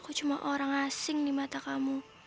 aku cuma orang asing di mata kamu